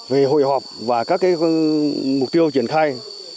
về hội họp và các mục tiêu triển khai